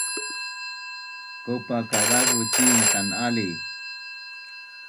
kaopa kadavuc cin tanali